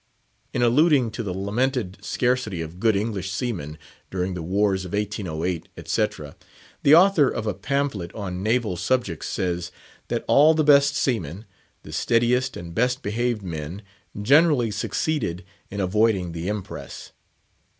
In alluding to the lamented scarcity of good English seamen during the wars of 1808, etc., the author of a pamphlet on "Naval Subjects" says, that all the best seamen, the steadiest and best behaved men, generally succeeded in avoiding the impress.